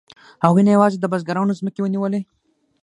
هغوی نه یوازې د بزګرانو ځمکې ونیولې